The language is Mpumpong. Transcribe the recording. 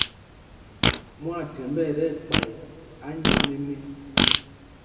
Mwaathɛmb ɛ tí ɛkpay anyēnēnē.